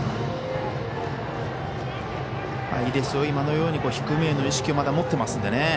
今のように低めへの意識をまだ持っていますので。